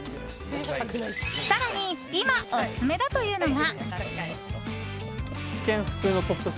更に今、オススメだというのが。